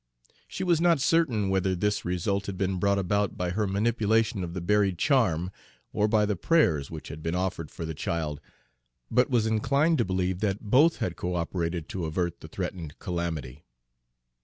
She was not certain whether this result had been brought about by her manipulation of the buried charm, or by the prayers which had been offered for the child, but was inclined to believe that both had cooperated to avert the threatened calamity.